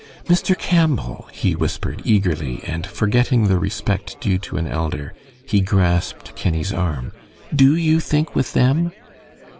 "Mr. Campbell," he whispered, eagerly, and forgetting the respect due to an elder, he grasped Kenny's arm, "do you think with them?"